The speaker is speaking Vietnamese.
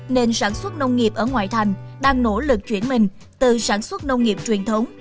nền sản xuất nông nghiệp ở ngoại thành đang nỗ lực chuyển mình từ sản xuất nông nghiệp truyền thống